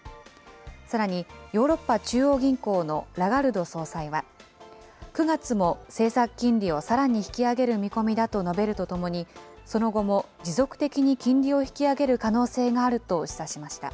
さらに、ヨーロッパ中央銀行のラガルド総裁は、９月も政策金利をさらに引き上げる見込みだと述べるとともに、その後も持続的に金利を引き上げる可能性があると示唆しました。